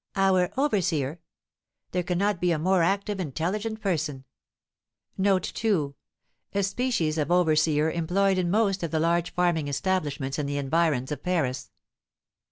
"Our overseer! There cannot be a more active, intelligent person." A species of overseer employed in most of the large farming establishments in the environs of Paris.